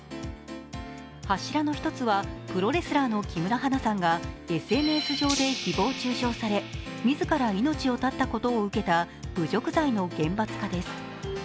柱の一つはプロレスラーの木村花さんがＳＮＳ上で誹謗中傷され自ら命を絶ったことを受けた侮辱罪の厳罰化です。